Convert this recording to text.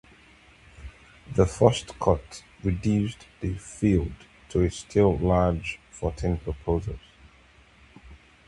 The first cut reduced the field to a still-large fourteen proposals.